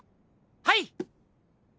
はい。